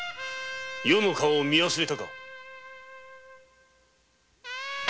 余の顔を見忘れたか！？